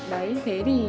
đấy thế thì